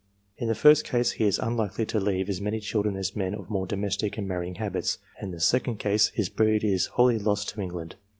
In the first case, he is unlikely to leave as many children as men of more domestic and marrying habits, and, in the second case, his breed is wholly lost to England.